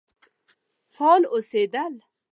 فعال اوسېدل.